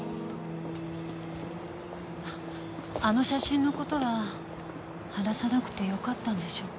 あの写真の事は話さなくてよかったんでしょうか？